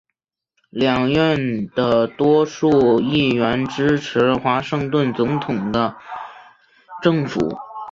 两院的多数议员支持华盛顿总统的政府。